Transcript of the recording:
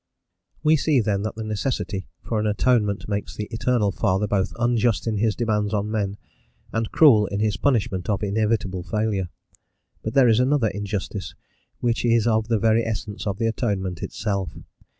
We see, then, that the necessity for an atonement makes the Eternal Father both unjust in his demands on men and cruel in his punishment of inevitable failure; but there is another injustice which is of the very essence of the Atonement itself.